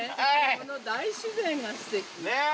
この大自然がすてき。ねぇ。